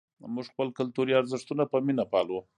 موږ خپل کلتوري ارزښتونه په مینه پالو.